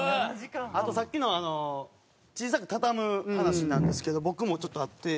あとさっきのあの小さく畳む話なんですけど僕もちょっとあって。